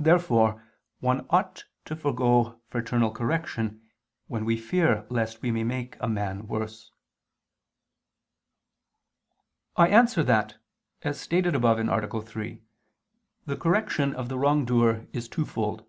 Therefore one ought to forego fraternal correction, when we fear lest we may make a man worse. I answer that, As stated above (A. 3) the correction of the wrongdoer is twofold.